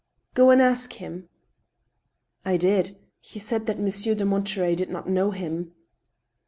" Go and ask him." " I did. He said Monsieur de Monterey did not know him."